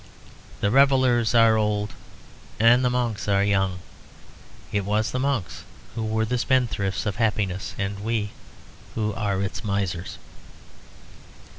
The revellers are old, and the monks are young. It was the monks who were the spendthrifts of happiness, and we who are its misers.